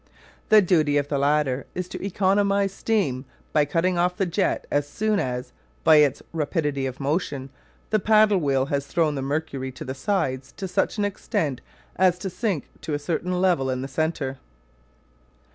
The duty of the latter is to economise steam by cutting off the jet as soon as, by its rapidity of motion, the paddle wheel has thrown the mercury to the sides to such an extent as to sink to a certain level in the centre.